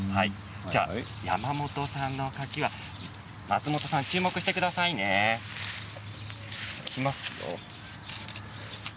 山本さんの柿は松本さん、注目してくださいねいきますよ。